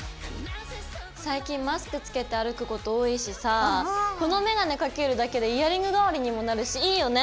最近マスクつけて歩くこと多いしさこのメガネかけるだけでイヤリング代わりにもなるしいいよね。